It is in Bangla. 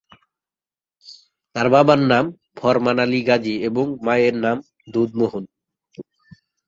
তার বাবার নাম ফরমান আলী গাজী এবং মায়ের নাম দুধ মেহের।